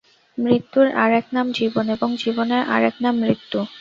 মৃত্যুর আর এক নাম জীবন এবং জীবনের আর এক নাম মৃত্যু।